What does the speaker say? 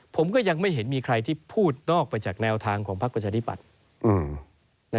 ผมก็ยังไม่เห็นมีใครที่พูดนอกไปจากแนวทางของพักประชาธิบัติ